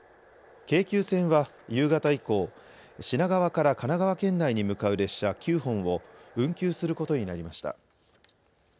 京急線は夕方以降、品川から神奈川県内に向かう列車９本を運休することになりました。